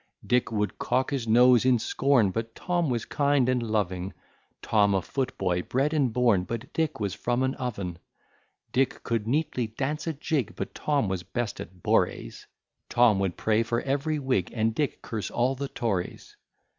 Dick would cock his nose in scorn, But Tom was kind and loving; Tom a footboy bred and born, But Dick was from an oven. Dick could neatly dance a jig, But Tom was best at borees; Tom would pray for every Whig, And Dick curse all the Tories.